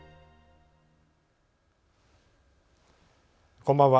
こんばんは。